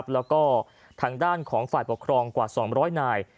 แล้วก็ทางด้านของฝ่ายปกครองกว่า๒๐๐นาย